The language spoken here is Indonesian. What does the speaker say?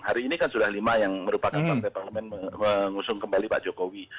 hari ini kan sudah lima yang merupakan partai parlemen mengusung kembali pak jokowi